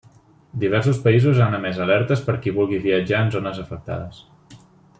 Diversos països han emès alertes per qui vulgui viatjar en zones afectades.